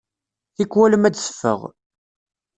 Tikwal ma d-teffeɣ.